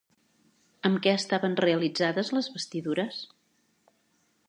Amb què estaven realitzades les vestidures?